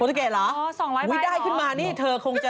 โฟตูเกรดเหรออ๋อ๒๐๐ใบเหรออุ้ยได้ขึ้นมานี่เธอคงจะ